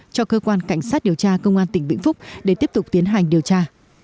cho cơ quan cảnh sát điều tra công an tỉnh vĩnh phúc để tiếp tục tiến hành điều tra